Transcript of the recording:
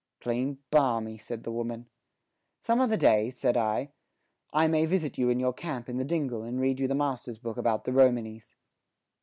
"Clean balmy," said the woman. "Some other day," said I, "I may visit you in your camp in the dingle and read you the master's book about the Romanys."